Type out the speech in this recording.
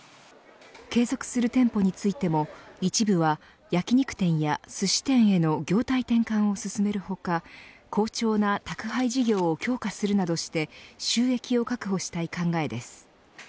継続する店舗についても一部は焼き肉店や、すし店への業態転換を進める他好調な宅配事業を強化するなどして収益を確保したい考えです。